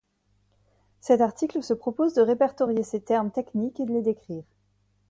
Cet article se propose de répertorier ces termes techniques et de les décrire.